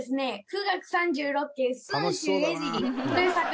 『冨嶽三十六景駿州江尻』という作品なんですね。